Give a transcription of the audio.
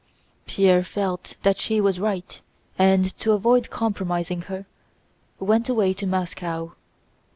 Pierre felt that she was right, and to avoid compromising her went away to Moscow.